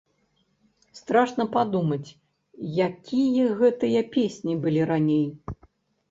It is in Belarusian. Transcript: Страшна падумаць, якія гэтыя песні былі раней.